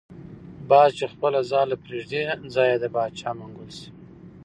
باز چی خپله ځاله پریږدی ځای یی دباچا منګول شی .